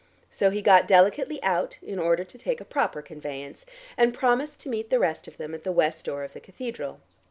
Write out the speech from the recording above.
So he got delicately out, in order to take a proper conveyance, and promised to meet the rest of them at the west door of the cathedral.